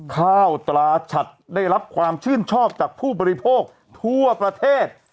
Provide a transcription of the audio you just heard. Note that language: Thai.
ข้าวตราฉัดได้รับความชื่นชอบจากผู้บริโภคทั่วประเทศ